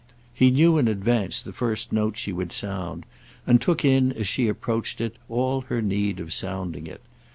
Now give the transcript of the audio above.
He knew in advance the first note she would sound, and took in as she approached all her need of sounding it.